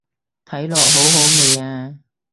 睇落好好味啊